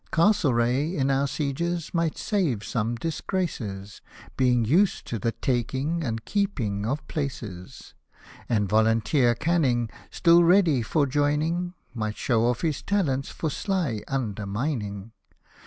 C — stl — r — gh in our sieges might save some disgraces, Being used to the taking and keeping oi places j And Volunteer C — nn — g, still ready for joining, Might show off his talent for sly under?nining.